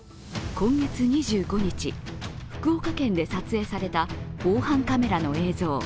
今月２５日、福岡県で撮影された防犯カメラの映像。